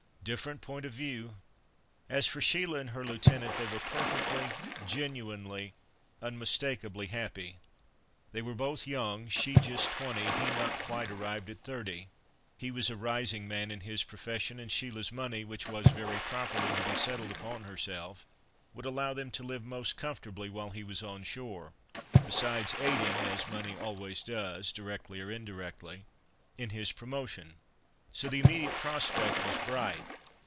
Different point of view! As for Sheila and her lieutenant, they were perfectly, genuinely, unmistakably happy. They were both young, she just twenty, he not quite arrived at thirty. He was a rising man in his profession, and Sheila's money, which was, very properly, to be settled upon herself, would allow them to live most comfortably while he was on shore; besides aiding—as money always does, directly or indirectly—in his promotion. So the immediate prospect was bright.